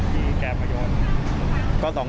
ที่แกกำลังโยน